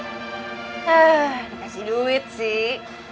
hah dikasih duit sih